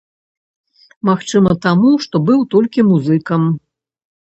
Магчыма таму, што быў толькі музыкам.